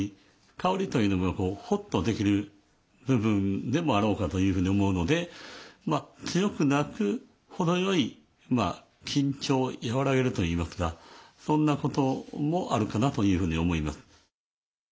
香りというのがほっとできる部分でもあろうかというふうに思うので強くなく程よいまあ緊張を和らげるといいますかそんなこともあるかなというふうに思います。